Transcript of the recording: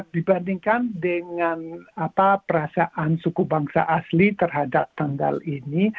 dibandingkan dengan perasaan suku bangsa asli terhadap tanggal ini